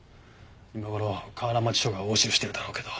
今頃河原町署が押収してるだろうけど。